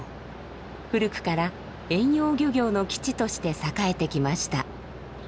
古くから遠洋漁業の基地として栄えてきました。